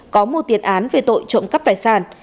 có một tiền án về tội trộm cắp tài sản